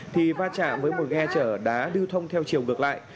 thì va chạm với một ghe chở đá lưu thông theo chiều ngược lại